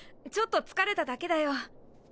ちょっと疲れただけだよ。